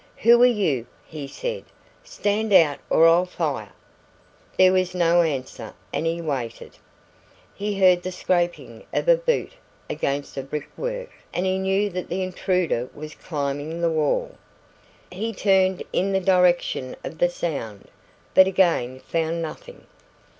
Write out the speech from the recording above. "Who are you?" he said. "Stand out or I'll fire!" There was no answer and he waited. He heard the scraping of a boot against the brick work and he knew that the intruder was climbing the wall. He turned in the direction of the sound, but again found nothing.